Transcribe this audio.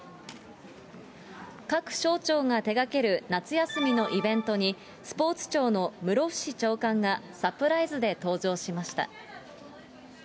各省庁が手がける夏休みのイベントに、スポーツ庁の室伏長官がサプライズで登場しました。